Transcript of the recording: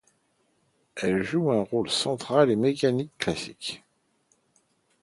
Elle joue un rôle central en mécanique classique.